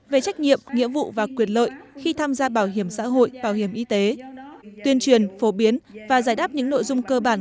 về trách nhiệm nghĩa vụ và quyền lợi khi tham gia bảo hiểm xã hội bảo hiểm y tế tuyên truyền phổ biến và giải đáp những nội dung cơ bản